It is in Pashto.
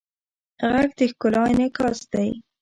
غږ د ښکلا انعکاس دی